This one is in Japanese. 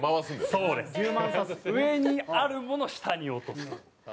上にあるものを下に落とすはい。